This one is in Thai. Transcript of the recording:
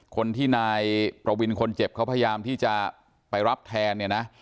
คนที่นายประวินคนเจ็บเขาพยายามที่จะไปรับแทนเนี่ยนะ